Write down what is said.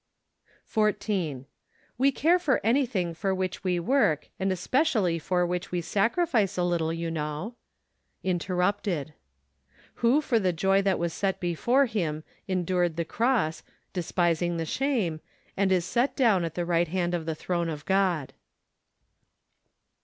14. We care for anything for which we work, and especially for which we sacrifice a little, you know. Interrupted. TT7iO for the joy that was set before him endured the cross , despising the shame , and is set down at the right hand of the throne of God."